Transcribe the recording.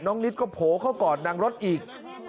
น้องนิตก็โผล่เข้าก่อนนางรถอีก